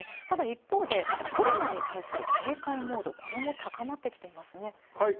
ただ一方で、コロナに対する警戒モード、これも高まってきていますね。